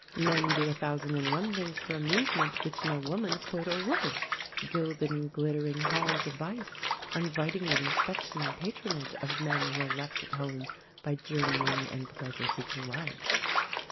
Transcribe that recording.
Men do a thousand and one things for amusement which no woman could or would. Gilded and glittering halls of vice are inviting the inspection and patronage of men who are left at home by journeying and pleasure seeking wives.